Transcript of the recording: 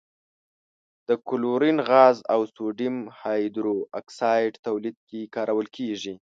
د کلورین غاز او سوډیم هایدرو اکسایډ تولید کې کارول کیږي.